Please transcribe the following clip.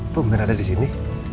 pengen ada di sini